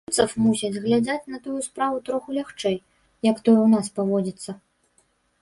У немцаў, мусіць, глядзяць на тую справу троху лягчэй, як тое ў нас паводзіцца.